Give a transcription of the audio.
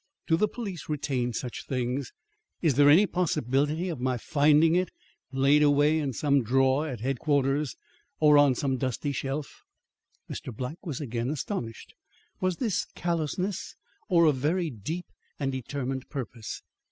Do the police retain such things? Is there any possibility of my finding it laid away in some drawer at Headquarters or on some dusty shelf?" Mr. Black was again astonished. Was this callousness or a very deep and determined purpose.